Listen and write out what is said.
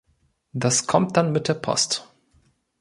Das kommt dann mit der Post.